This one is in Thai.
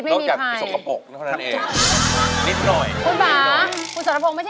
นอกจากสกปรกเท่านั้นเองนิดหน่อย